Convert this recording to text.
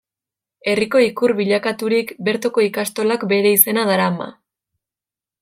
Herriko ikur bilakaturik, bertoko ikastolak bere izena darama.